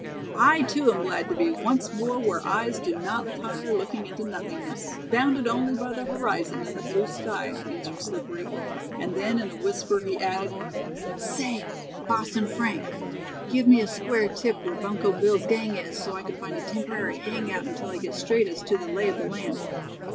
"I too am glad to be once more where one's eyes do not tire looking into nothingness, bounded only by the horizon and the blue sky," answered Slippery, and then in a whisper, he added: "Say, Boston Frank, give me a square tip where Bunko Bill's gang is, so I can find a temporary hangout until I get straight as to the lay of the land."